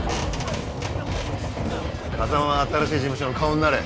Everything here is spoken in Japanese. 風真は新しい事務所の顔になれ。